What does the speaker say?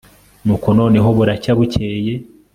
nuko noneho buracya, bukeye